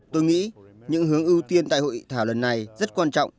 tôi nghĩ những hướng ưu tiên tại hội thảo lần này rất quan trọng